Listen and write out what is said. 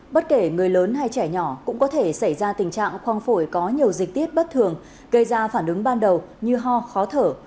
bất kể người lớn hay trẻ nhỏ cũng có thể xảy ra tình trạng khoang phổi có nhiều dịch tiết bất thường gây ra phản ứng ban đầu như ho khó thở